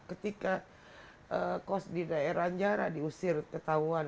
ketika kos di daerah anjara diusir ketahuan